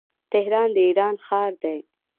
تهران د ايران ښار دی.